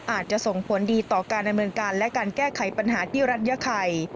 อาจจะส่งผลดีต่อการดำเนินการและการแก้ไขปัญหาที่รัฐยาไข่